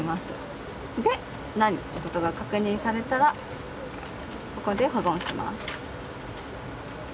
でないって事が確認されたらここで保存します。